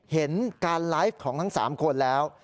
เห็นการไลฟ์ของทั้ง๓คนแล้ว